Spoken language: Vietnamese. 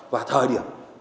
và thời điểm